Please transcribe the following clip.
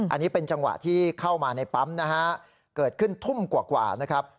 อันนี้เป็นจังหวะที่เข้ามาในปั๊มนะฮะเกิดขึ้นทุ่มกว่านะครับ